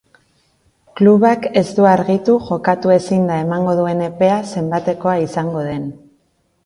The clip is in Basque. Klubak ez du argitu jokatu ezinda emango duen epea zenbatekoa izango den.